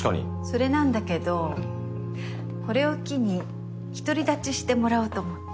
それなんだけどこれを機に独り立ちしてもらおうと思って。